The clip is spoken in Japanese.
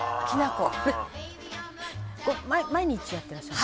「これ毎日やってらっしゃる？」